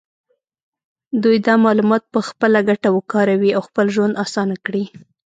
دوی دا معلومات په خپله ګټه وکاروي او خپل ژوند اسانه کړي.